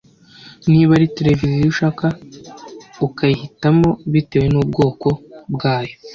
niba ari television ushaka ukayihitamo bitewe n’ubwoko bwayo